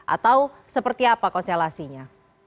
atau seperti apa konstelasinya